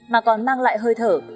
mà còn mang lại hơi thở